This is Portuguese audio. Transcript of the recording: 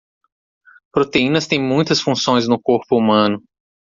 Proteínas têm muitas funções no corpo humano.